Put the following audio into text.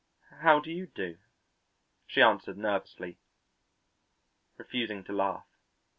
"How do you do?" she answered nervously, refusing to laugh.